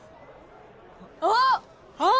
あっ！